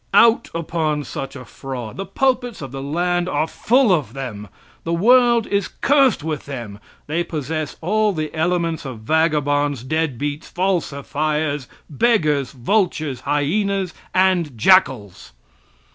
Out upon such a fraud! The pulpits of the land are full of them. The world is cursed with them! They possess all the elements of vagabonds, dead beats, falsifiers, beggars, vultures, hyenas and jackals!